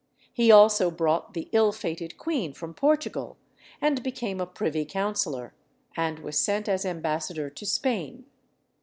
He also brought the ill fated queen from Portugal, and became a privy councillor, and was sent as ambassador to Spain.